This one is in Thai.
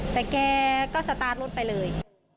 แต่แกก็สตาร์ทรถไปเลย